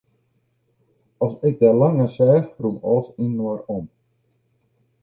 As ik der lang nei seach, rûn alles yninoar om.